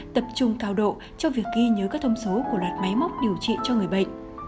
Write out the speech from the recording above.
tập trung cao độ cho việc ghi nhớ các thông số của loạt máy móc điều trị cho người bệnh